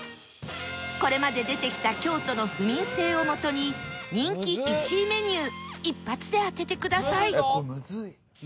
これまで出てきた京都の府民性をもとに人気１位メニュー一発で当ててください